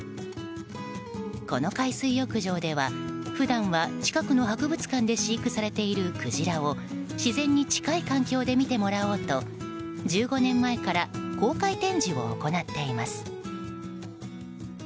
この海水浴場では、普段は近くの博物館で飼育されているクジラを自然に近い環境で見てもらおうと１５年前から公開展示を行っています。